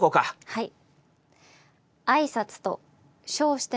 はい。